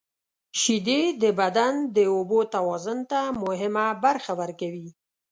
• شیدې د بدن د اوبو توازن ته مهمه برخه ورکوي.